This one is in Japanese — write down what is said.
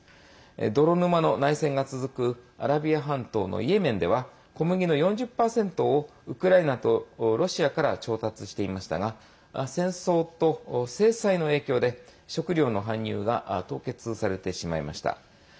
泥沼の内戦が続くアラビア半島のイエメンでは小麦の４０％をウクライナとロシアから調達していましたが戦争と制裁の影響で食糧の搬入が凍結されてしまいました。